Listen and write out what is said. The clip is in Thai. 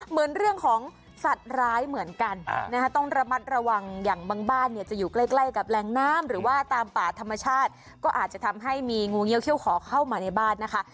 เหมือนเรื่องของสัตว์ร้ายเหมือนกันต้องระมัดระวังอย่างบางบ้านเนี่ยจะอยู่ใกล้กับแรงน้ำหรือว่าตามป่าธรรมชาติก็อาจจะทำให้มีงูเงี้ยเขี้ยขอเข้ามาในบ้านนะคะ